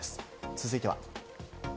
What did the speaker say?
続いては。